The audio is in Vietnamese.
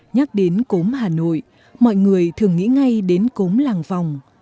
nhắc đến cốm hà nội mọi người thường nghĩ ngay đến cốm làng vòng